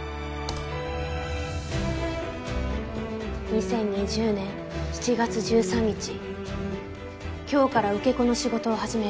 「２０２０年７月１３日今日から受け子の仕事を始める。